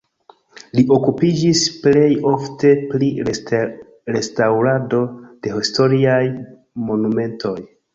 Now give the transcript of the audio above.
Li okupiĝis plej ofte pri restaŭrado de historiaj monumentoj.